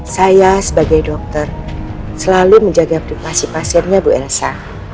saya sebagai dokter selalu menjaga privasi pasiennya bu elsa